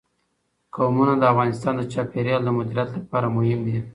قومونه د افغانستان د چاپیریال د مدیریت لپاره مهم دي.